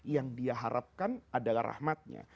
yang diharapkan adalah rahmatnya